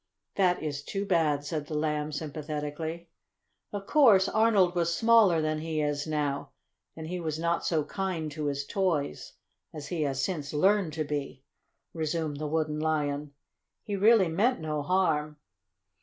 "That is too bad," said the Lamb sympathetically. "Of course Arnold was smaller than he is now, and he was not so kind to his toys as he has since learned to be," resumed the Wooden Lion. "He really meant no harm.